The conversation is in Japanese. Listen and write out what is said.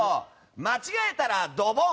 間違えたらドボン！